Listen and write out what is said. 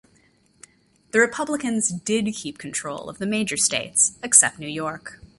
The Republicans did keep control of the major states except New York.